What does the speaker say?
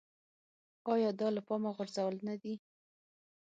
ایا دا له پامه غورځول نه دي.